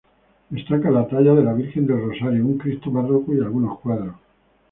Destaca la talla de la Virgen del Rosario, un Cristo barroco y algunos cuadros.